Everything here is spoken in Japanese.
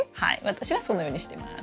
私はそのようにしてます。